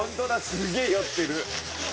すげえ寄ってる。